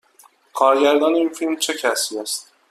کارگردان این فیلم چه کسی است؟